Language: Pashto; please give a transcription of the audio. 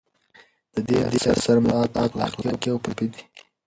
د دې اثر موضوعات اخلاقي او فلسفي دي.